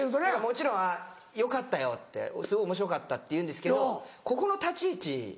もちろん「良かったよ」って「すごいおもしろかった」って言うんですけど「ここの立ち位置